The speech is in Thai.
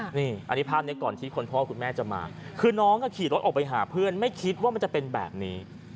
อันนี้ภาพนี้ก่อนที่คนพ่อคุณแม่จะมาคือน้องขี่รถออกไปหาเพื่อนไม่คิดว่ามันจะเป็นแบบนี้